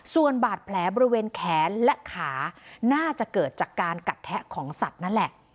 ส่วนบาดแผลบริเวณแขนและขาน่าจะเกิดจากการกัดแทะของสัตว์นั่นแหละ